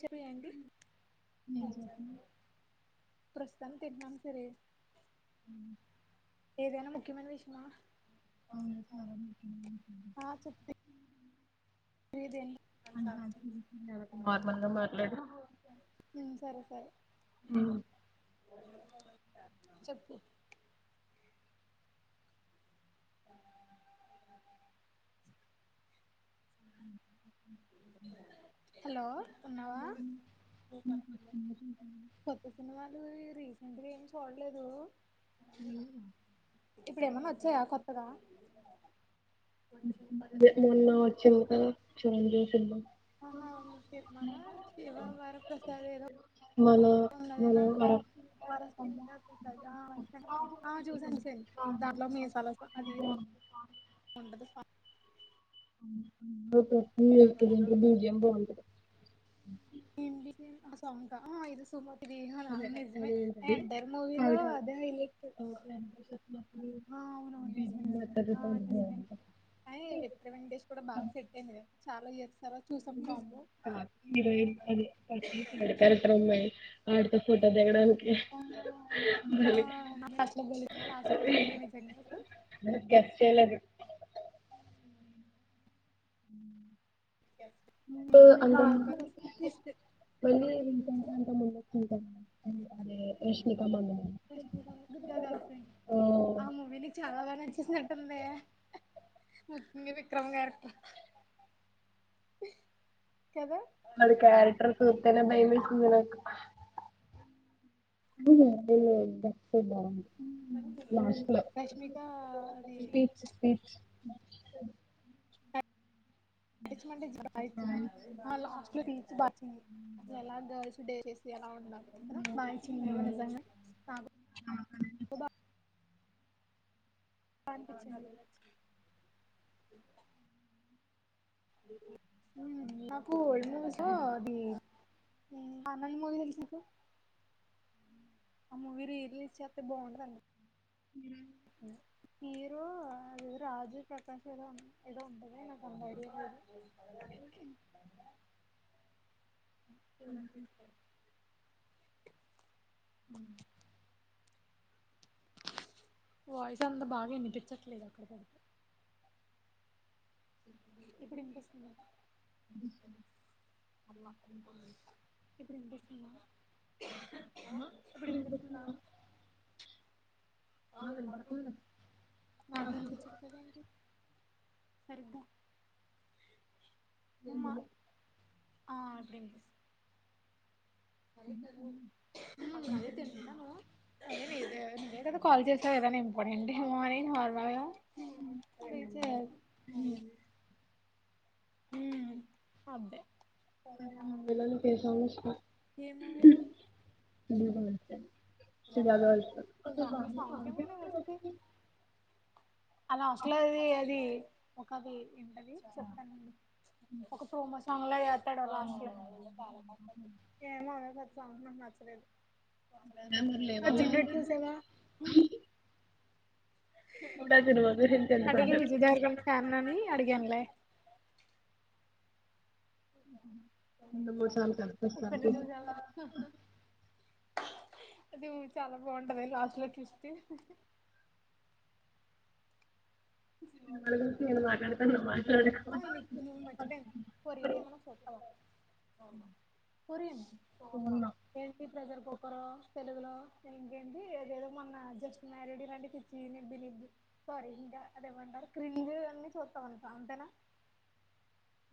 చెప్పియండి మేమ్ చద్మే ప్రస్తుతాన్కి తిట్నం సరే ఊ ఏదైన ముఖ్యమైన విష్యమ ఆ చెప్తి నార్మల్‌గా మాట్లాడడు ఉమ్ సరె సరె ఉమ్ చెప్పు హలో ఉన్నావా కొత్త సినిమాలు రీస్ ఇబ్బుడు ఏం చదవట్లేదు ఇప్పుడేమన్న వచ్చయా కొత్ తా వె [inaudible] ఆహా ఓకె మనా శవా వరప్రసాద్ ఏదో మన మన అరకు ఆ చూసాను సేమ్ దాంట్లో మీసాల సాన్ అదీ బా బాగుంటది సా [inaudible] దీంట్లో బీజియం బాగుంటది ఇంటికె హస్ ధమ్ కా ఆ ఇది సుమర్ ఇదీ హా నిజ్మే అదేంటది ఎంటైర్ మూవీలో అదే హలెట. ఆ అవునవును నిజ్మె నిజ్మె అతడు ఆ కాదు నిజ్మె. కాని విక్టరీ వెంకటేష్ కూడ బాగ్ సెట్ అయింది కదా. అల్లరీ చెస్ ఆ హీరోయిన్ అదే [inaudible] క్యారెక్టర్ అమ్మాయి ఆడితో ఫోటో దిగడానికి. మళ్ళీ ఆ ఆమె ఫస్టులో [unintelligible] లాస్ట్ లో బలే నిజంగా అసలు. గెస్ట్ చేయలేదు. ఆ ఉమ్ నేను కూడ అనుకోలె అసల్ మళ్ళీ రీసెంట్ అంత ముందు వచ్చింటాను అదే రష్మిక మందన ట్విస్ట్. ముగ్ధ గర్ల్ఫ్రెండ్ ఓ ఆ మూవీ నీక్ చాలా బాగ్ నచ్చే సినట్టుందే. [unintelligible] విక్రమ్ క్యారెక్టర్ ఇ అది క్యారెక్టర్ సూత్తనే భయమేస్త్ తుంది నాక్. అ వె బ రష్మికా అదీ ప్చ్ స నటించమంటే [inaudible] ఇచ్చింది. ఆ లాస్ట్ లో టీ ఇచ్చి దాచింది. అసల్ అలా గాళ్స్ డే చేస్ ఎలా కదా బాగించింది గద నిజంగా తా [inaudible] బో [inaudible] పంపించింది గదా వచ్చింది నాకూ ఓల్డ్ మూవీస్ లో అదీ ఉమ్ ఆనంద్ మూవీ తెలిస నీకు. ఆ మూవీ రీ రిలీజ్ చేస్తే బాగుంటదండి. జ హీరో అది రాజీవ్ ప్రకాష్ ఏదో ఉం ఏదో ఉంటది నాకు అంత ఐడియా లేదు. ఊహు [inaudible] వాయిస్ అంత బాగా వినిపించట్లేదు అక్కడ పెడితే. ఇప్పుడు ఇనిపిస్తుందా. ఇప్పుడు ఇనిపిస్ ఆ ఇప్పుడు వినిపిస్తుందా నాకు వినిపించట్లేదేంటి. సరిగ్గా భూమా ఆ [inaudible] ద అదే తింటనను నువ్వే కదా కాల్ చేశావ్ ఏదైన ఇంపార్టెంట్ [unintelligible] తె [inaudible] [unintelligible] విలన్ కి ఏ సాంగ్ ఇష్టం ఏమినా సుజాత వాళ్ళ చూడా దలు సగు కమన్నా వస్తుస్త అలా అసలుది అది ఒకది ఏంటది చెప్పండి ఒక ప్రోమొ చంగ్లా ఎ [inaudible] సాగుం నచ్చలేదు అర్జున్ రెడ్డి చూసావా సినిమా గురించి ఎందుకో అడిగీ విజయ్ దేవరకొండ ఫ్యాన్ అని అడిగానులే రెండు మూడు సార్లు కనిపిస్తాను ఉప్పెన్న చూసవా హహ అది చాలా బాగుంటది లాస్ట్ లో ట్విస్ట్ సినిమాల గురించి నేను మాట్లాడతాను నువ్వు మాట్లాడకు అవును ఈ మర్చిపోయాను కొరియన్ ఏం అయిన చూస్తావా చూడను కొరియన్ చూడను ఏంటి ప్రజర్ కుక్కరు తెలుగులో ఇంకేంటి ఏదేదో మొన్న జస్ట్ మ్యారీడ్ లాంటి పిచ్చి నిబ్బి నిబ్బి సారీ ఇంకా అదేమంటారు క్రింజ్ అన్నన్ని చూస్తామంట అంతేనా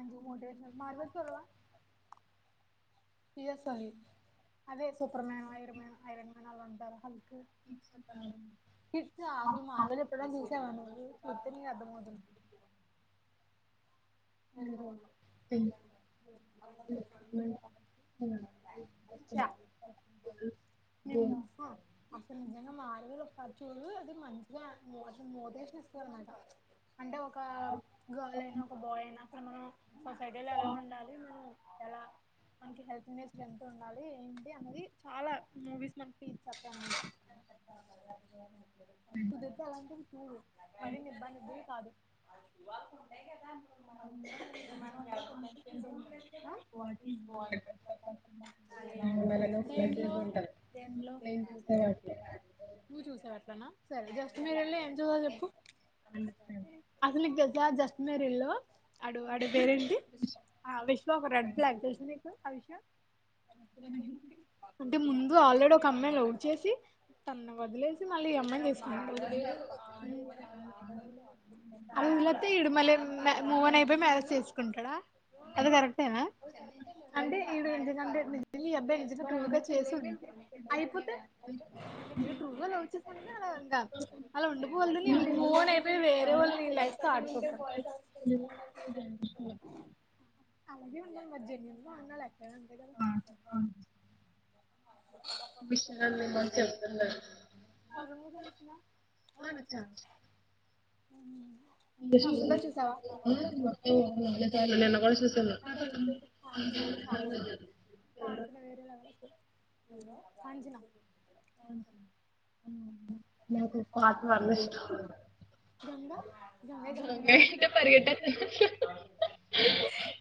ఆది మోటివేషన్ మార్వెల్ చూడవా పి ఎస్స్ ఫైవ్ అదే Superman Iron Man Iron Man అందులో అలా ఉంటారు హల్క్ పిచ్చా అసలా మార్వెల్ ఎప్పుడూయినా చూసావా నువ్వు ఒత్త్తని అర్థం అవుతుంది [inaudible] ఆది చూడు మంచిగా మోషాన్ మోటివేషన్ ఇస్తాడి అన్నమాట అంటే ఒక గర్ల్ అయినా ఒక బాయ్ అయినా అక్కడ మనం సొసైడోలు ఎలా ఉండాలి మనం ఎలా మనకి హెల్పింగ్ నేచర్ ఎంత ఉండాలి ఏంటి అది చాలా మూవీస్ మన ఫస్తా కుదిరితే అలాంటివి చూడు మరి నిబ్బ నిబలు కాదు దేంట్లో దేంట్లో నువ్వు చూసావు అట్లనా [inaudible] సరే జస్ట్ మ్యారీడ్ లో ఏం చూసావ్ చెప్పు అసలు నిక్ యా జస్ట్ మ్యారీడ్ లో అడు అడి పేరు ఏం టి ఆ విశ్వ ఒక రెడ్ బ్లాక్ తెలుసా మీక్ సు ఆవిషయం ఉమ్ ముందు ఆల్రెడీ ఒక అమ్మాయి లవ్ చేేసి తన్ను వదిలేసి మళ్ళీ ఈ అమ్మాయిని తీస్ అలేపోతే ఇడు మళ్ళేం మూవ్ ఆన్ అయి బ్బే మ్యారేజ్ చేసుకుంటాడా అది కరక్ట్నా అంటే ఈ ఎం బెంచ ట్రూవ్గా చేసింది అయిపోతే ఇ ట్రూవ్గా చ్చేసా అ ఇంకా అలా ఉంకోవలదు న ఫోన్ అయిపోయి వేరే వాళ్ళ లైఫ్తో ఆడుకుంటునావ్ అలాగే మర్జీన్ని ఉ మాట్ట విషమ చెతు అ మా సద్ద చూసావా నేను నిన్న కూడా చూసాను నాకు ఆ రెం కాజ అంటే చాల ఇష్ట కాసలో వేరేలాకు ఎ అజనా గంగా గ గ ఏంటంటే పన పరిగెట్టేది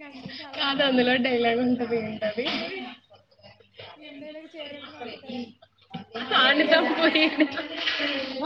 గంగ చాలా కాదు అందులో డైలాగ్ ఉంటది ఏంటది మ ఈలోకి చేరప్పు వస్తుద ఆ చంపు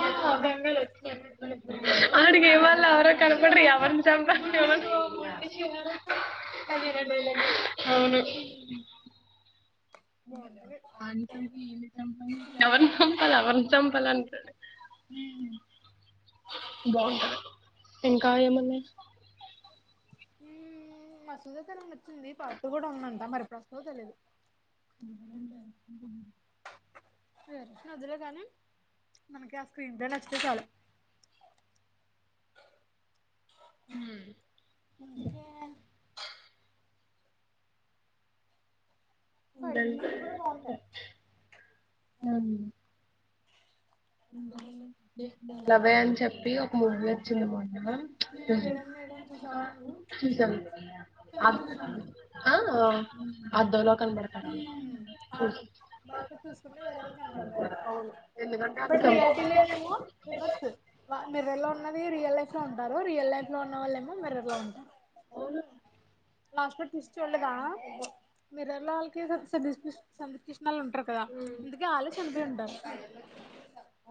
ఆ గంగలో వస్తది ఆడిగ ఇవల్ళ అర కనపడ్రి ఎవర్ చంప ఇదేనా డైలాగ్ అవును. బాగుంటది చంపాల ఎవరి చంపాలి ఎవరిని చంపాలంటే బాగుంటా ఇంకా ఏమన్నా మసూద తనం నచ్చింది పట్టు కూడా ఉందంత మరి ప్రస్తుతవ తెలియదు వర అదిలో కాని మనకి ఆ స్క్రీన్ టై నచ్చితే చాలు హు బటి కూడా బాగుంటాయి లవే అని చెప్పి ఒక ము జై మాన్ నువ వేడని వేడ చూసావా నువ్వు చూసాను సందిప కృష్ణడి అద్దంలో కనబడతారు అవును బయప చూసుకుని వేరే కనపడతారు ఎందుకంటే అది బట్ చంప- రియాలిటీలోనేమో రివర్స్ మిర్రర్లో ఉన్నది రియల్ లై [unintelligible] రియల్ లైఫ్ లో ఉన్న వాళ్ళేమో మిర్రర్లో ఉంటారు అవును, [inaudible] లాస్ట్లో ట్విస్ట్ ఉండదా మిరర్లో [unintelligible] కృష్ణళ్ళ ఉంటారు ఇంతకీ అల్లే చంపి ఉంటారు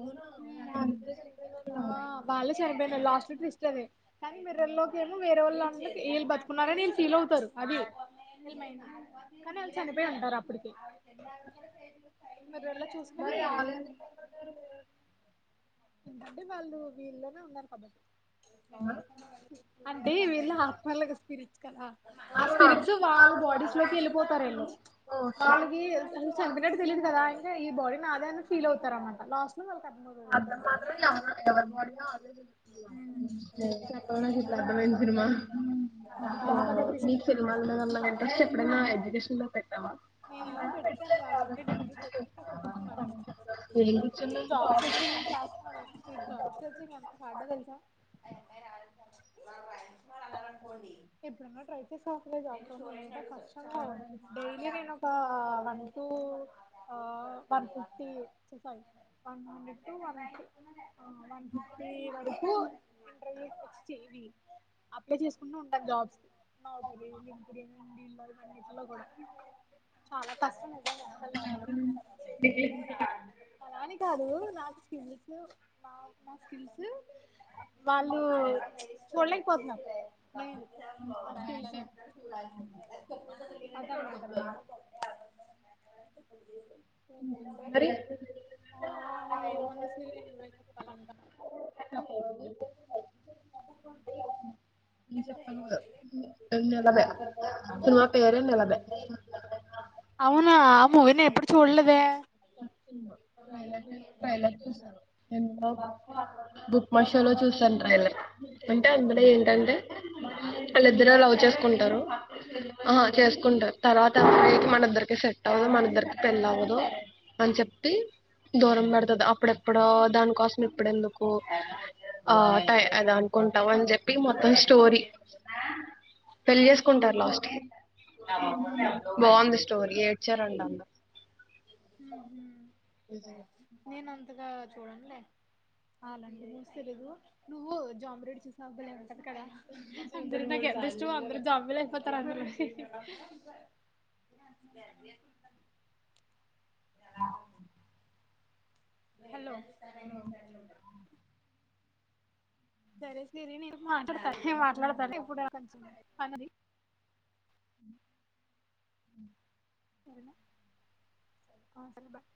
అవునా? ఆ వాళ్లే చనిపోయినారు లాస్ట్ బ్రిటిష్ గది కానీ మిర్రర్లోకి ఏమో వేరే వాళ్ళు అ వీళ్ళు బతుకున్నారని వీు ఫీల్ అవుతారు అది కానీ వాళ్ళు చనిపోయి ఉంటారు అప్పటికి మిర్రర్ లో చూసుకో ఏంటంటడి వాళ్ళు వీళ్ల్లోనే ఉన్నారు కాబట్టి అంటే వీళ్ళు ఆత్మలు స్పిరిట్స్ కదా ఆ స్పిరిట్స్ ఆ, వాళ్ళ బాడీస్స్ లోకి వెళ్ళిపోతారట ఓ, వాళ్ళకి చనిపినట్టు తెలిదు కదా అయితే ఈ బాడీ నాదే అని ఫీల్ అవుతారు అన్నమాట లాస్ట్లోనే అద్దం మాత్రం చాలా బాగుంది ఎవరూ [unintelligible] చెప్ప నాకు ఇప్పుడు అర్థమయింది సినిమా లాస్ట్ లో అది ట్విస్ట్ మీకు అన్నమాట సినిమా ఇంట్రెస్ట్ ఎప్పుడ ఎడ్యుకేషన్ లో పెట్టామా నేను పెట్టాను కాబట్టి డిగ్రీ చేసి కూర్చున్నాను ఇంకా ఏ కూచ [inaudible] [inaudible] [inaudible] ఆ వన్ టు ఆ వన్ ఫిఫ్టీ ఫై [inaudible] అప్లై చేసుకుంటె ఉంటయి జాబ్స్ [unintelligible] నాని కాదు నా [inaudible] వాళ్ళు చూడలేకపోతున్నారు మరి ఆ ముందు సర ను్వ చెప్పాలి ఇంకా నలద నా పేర నలద అవునా ఆ మూవీనే ఎప్పుడు చూడలేదే బుక్ మై షో లో చూసాన్ ట్రైలర్. అంటే అందులో ఏంటంటే వాళ్ళిద్దరూ లవ్ చేసుకుంటారు ఆహా చేసుకుంటారు తర్వాత మనద్దరికి సెట్ అవ్వదు మన ఇద్దరికి పెళ్ల్వదు అని చెప్పి దూరం పెడతది అప్పుడెప్పుడో దానికోసం ఇప్పుడెందుకు ఆ టై అది అనుకుంటావ్ అని చెప్పి మొత్తం స్టోరీ పెళ్లి చేేసుకుంటారు లాస్ట్కి ఉహు బాగుంది. స్టోరీ ఏడ్చారంటా అందరు ఉహు నేను అంతగా చూడనులే అలాంటి మూవీస్ తెలీదు అందులో నాక్ ఎంతిష్టమో అందరు జాంబీలు వతరాంటుండు హలో నో సరే సిరి నేను మాట్లాడతాను ఇప్పుడు కొంచం పని ఉంది ఆ సరే బాయ్